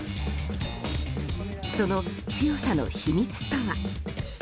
その強さの秘密とは。